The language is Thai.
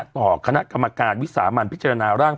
ต่อคณะกรรมการวิสามันพิจารณาร่าง